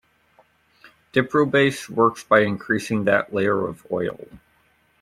Diprobase works by increasing that layer of oil.